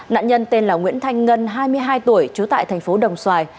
nạn nhân tên là nguyễn thanh ngân hai mươi hai tuổi trú tại tp đồng xoài